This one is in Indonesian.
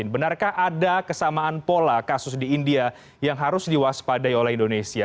benarkah ada kesamaan pola kasus di india yang harus diwaspadai oleh indonesia